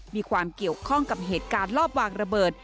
มีความเกี่ยวข้องกับเหตุการณ์ลอบวางระเบิด